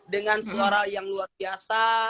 dengan suara yang luar biasa